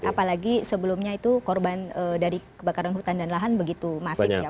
apalagi sebelumnya itu korban dari kebakaran hutan dan lahan begitu masif ya